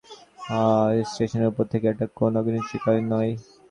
স্টেজের উপর থেকে, এটা কোন অগ্নিসংযোগকারী নয়।